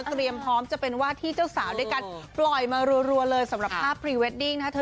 เตรียมพร้อมจะเป็นว่าที่เจ้าสาวด้วยกันปล่อยมารัวเลยสำหรับภาพพรีเวดดิ้งนะคะ